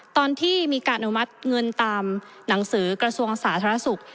ตอนที่มีการอนุมัติเงินตามหนังสือกระทรวงสาธารณสุข